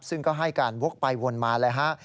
ซึ่งก็ให้การวกไปวนมาเลยฮะ